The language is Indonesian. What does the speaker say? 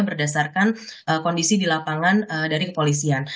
berdasarkan kondisi di lapangan dari kepolisian